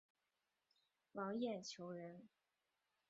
王晏球人。